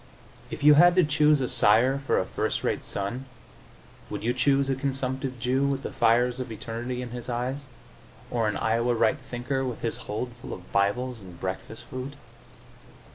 If you had to choose a sire for a first rate son, would you choose a consumptive Jew with the fires of eternity in his eyes, or an Iowa right thinker with his hold full of Bibles and breakfast food?